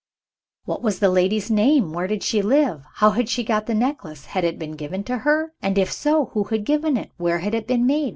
What was the lady's name? Where did she live? How had she got the necklace? Had it been given to her? and, if so, who had given it? Where had it been made?